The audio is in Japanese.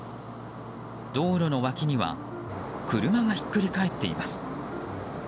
道路の脇には車が引っくり返っています。